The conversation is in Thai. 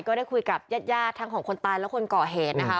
ก็ได้คุยกับญาติทั้งของคนตายและคนก่อเหตุนะคะ